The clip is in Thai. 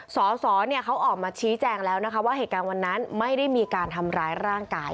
สอสอเขาออกมาชี้แจงแล้วนะคะว่าเหตุการณ์วันนั้นไม่ได้มีการทำร้ายร่างกาย